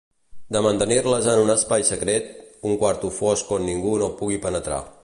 De mantenir-les en un espai secret, un quarto fosc on ningú no pugui penetrar.